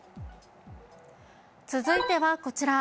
続いてはこちら。